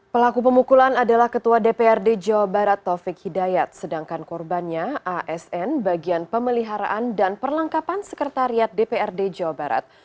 pelaku pemukulan adalah ketua dprd jawa barat taufik hidayat sedangkan korbannya asn bagian pemeliharaan dan perlengkapan sekretariat dprd jawa barat